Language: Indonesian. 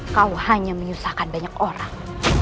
kau hanya menyusahkan banyak orang